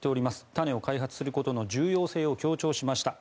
種を開発することの重要性を強調しました。